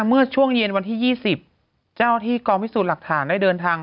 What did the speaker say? เมื่อช่วงเย็นวันที่๒๐เจ้าที่กองพิสูจน์หลักฐานได้เดินทาง